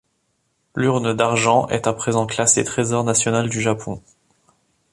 L'urne d'argent est à présent classée Trésor national du Japon.